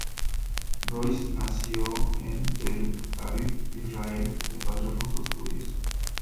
Roiz nació en Tel Aviv, Israel, de padres rusos judíos.